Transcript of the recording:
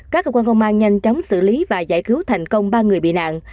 các cơ quan công an nhanh chóng xử lý và giải cứu thành công ba người bị nạn